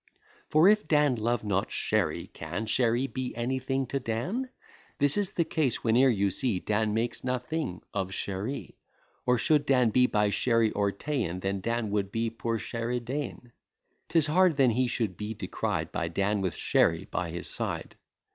For if Dan love not Sherry, can Sherry be anything to Dan? This is the case whene'er you see Dan makes nothing of Sherry; Or should Dan be by Sherry o'erta'en Then Dan would be poor Sherridane 'Tis hard then he should be decried By Dan, with Sherry by his side.